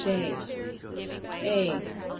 (j) (a) Rom.